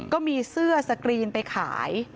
ก็มีเสื้อสกรีนไปขาย